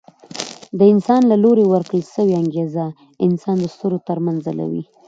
د استاد له لوري ورکړل سوی انګېزه انسان د ستورو تر منځ ځلوي.